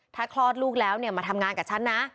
ถ้าคลอดลูกแล้วเนี่ยมาทำงานกับฉันนะ